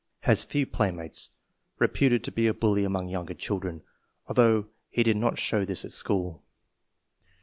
Has few playmates. Reputed to be a bully among younger children, although he did not show this at school.